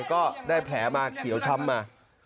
ก็ได้แผลมาเขียวช้ำมา